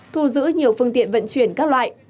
thu giữ nhiều phương tiện vận chuyển các loại